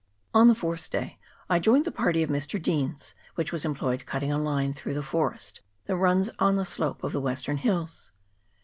On the fourth day I joined the party of Mr. Deans, which was employed cutting a line through the forest that runs on the slope of the western hills.